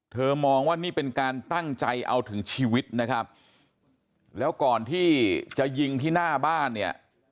มองว่านี่เป็นการตั้งใจเอาถึงชีวิตนะครับแล้วก่อนที่จะยิงที่หน้าบ้านเนี่ย